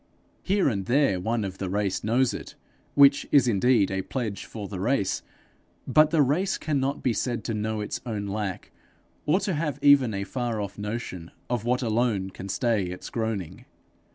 Here and there one of the race knows it which is indeed a pledge for the race but the race cannot be said to know its own lack, or to have even a far off notion of what alone can stay its groaning.